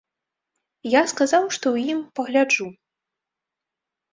Я сказаў, што ў ім пагляджу.